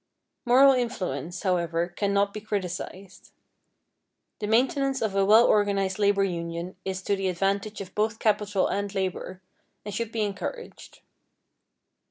Moral influence, however, cannot be criticised. The maintenance of a well organized labor union is to the advantage of both capital and labor, and should be encouraged.